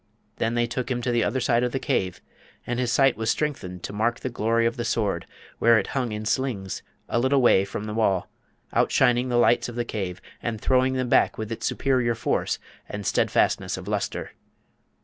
Then they took him to the other side of the cave, and his sight was strengthened to mark the glory of the Sword, where it hung in slings, a little way from the wall, outshining the lights of the cave, and throwing them back with its superior force and stedfastness of lustre.